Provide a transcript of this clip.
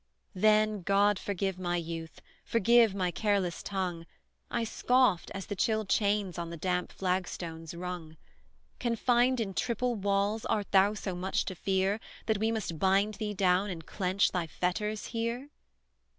Then, God forgive my youth; forgive my careless tongue; I scoffed, as the chill chains on the damp flagstones rung: "Confined in triple walls, art thou so much to fear, That we must bind thee down and clench thy fetters here?"